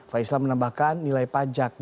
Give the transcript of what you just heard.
faisal menambahkan nilai pajak di wilayah komersil